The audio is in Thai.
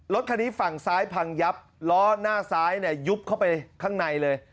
รถคันนี้ฝั่งซ้ายพังยับล้อหน้าซ้ายเนี่ยยุบเข้าไปข้างในเลย